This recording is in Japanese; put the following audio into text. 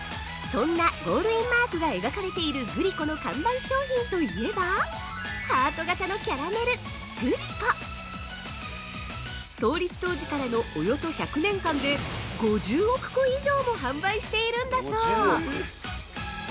◆そんなゴールインマークが描かれているグリコの看板商品といえばハート型のキャラメル「グリコ」創立当時からのおよそ１００年間で、５０億個以上も販売しているんだそう。